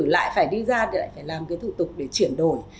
lại phải đi ra thì lại phải làm cái thủ tục để chuyển đổi